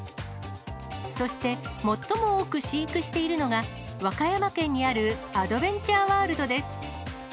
そして、最も多く飼育しているのが、和歌山県にあるアドベンチャーワールドです。